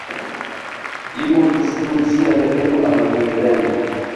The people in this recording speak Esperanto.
Li mortis dum sia reveno al Leiden.